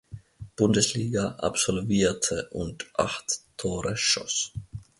Bundesliga absolvierte und acht Tore schoss.